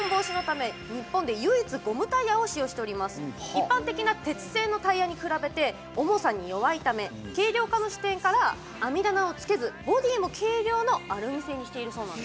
一般的な鉄製のタイヤに比べて重さに弱いため軽量化の視点から網棚を付けず、ボディーも軽量のアルミ製にしているそうなんです。